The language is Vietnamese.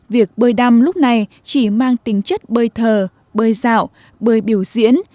việc bơi đam lúc này chỉ mang tính chất bơi thờ bơi dạo bơi biểu diễn